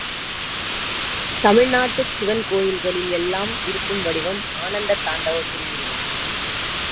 தமிழ்நாட்டுச் சிவன் கோயில்களில் எல்லாம் இருக்கும் வடிவம் ஆனந்தத் தாண்டவ திருஉருவம்.